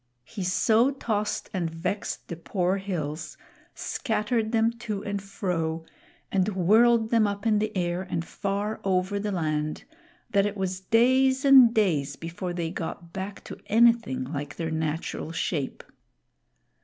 He so tossed and vexed the poor hills, scattered them to and fro, and whirled them up in the air and far over the land, that it was days and days before they got hack to anything like their natural shape.